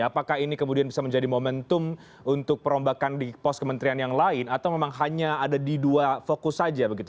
apakah ini kemudian bisa menjadi momentum untuk perombakan di pos kementerian yang lain atau memang hanya ada di dua fokus saja begitu